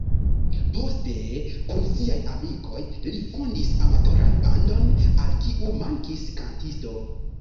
Poste, kun siaj amikoj, li fondis amatoran bandon, al kiu mankis kantisto.